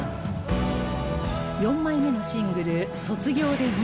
４枚目のシングル『卒業』で人気が爆発